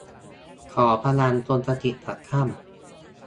ขอพลังจงสถิตย์กับท่าน